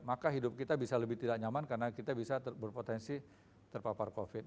maka hidup kita bisa lebih tidak nyaman karena kita bisa berpotensi terpapar covid